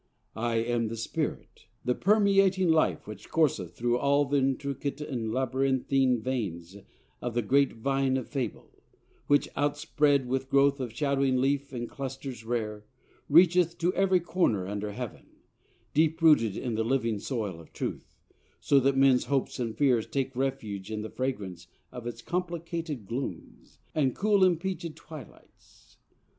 I am the Spirit, The permeating life which courseth through All th' intricate and labyrinthine veins Of the great vine of Fable, which, outspread With growth of shadowing leaf and clusters rare, Reacheth to every corner under Heaven, Deep rooted in the living soil of truth: So that men's hopes and fears take refuge in The fragrance of its complicated glooms And cool impleachèd twilights.